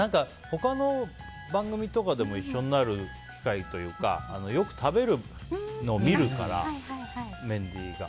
他の番組とかでも一緒になる機会というかよく食べるのを見るからメンディーが。